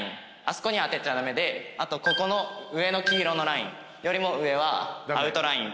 そこには当てちゃ駄目であとここの上の黄色のラインよりも上はアウトライン。